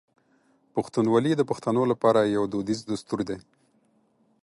پښتونولي د پښتنو لپاره یو دودیز دستور دی.